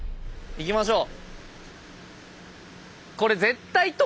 行きましょう！